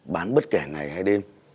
bán bất kể ngày hay đêm